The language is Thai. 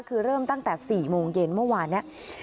คือเริ่มตั้งแต่๔โมงเย็นเมื่อวานนี้